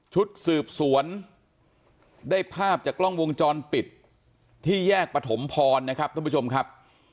ชุดสืบสวนได้ภาพจากกล้องวงจรปิดที่แยกปฐมพรนะครับท่านผู้ชมครับ